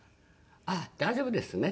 「ああ大丈夫ですね」。